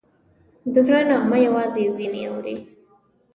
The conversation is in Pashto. د زړه نغمه یوازې ځینې اوري